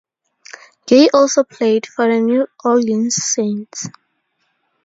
Gay also played for the New Orleans Saints.